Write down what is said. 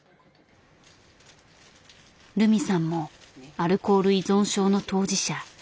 ルミさんもアルコール依存症の当事者。